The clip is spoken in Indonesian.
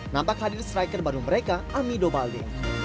nampak hadir striker baru mereka amido balde